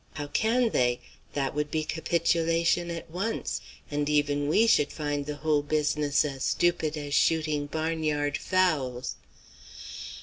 How can they? That would be capitulation at once, and even we should find the whole business as stupid as shooting barnyard fowls.